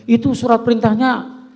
itu surat perintahnya